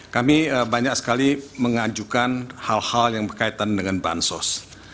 kami banyak sekali mengajukan hal hal yang berkaitan dengan bansos